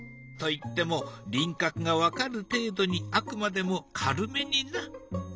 といっても輪郭が分かる程度にあくまでも軽めにな。